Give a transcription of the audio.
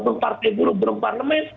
belum partai belum berparlemen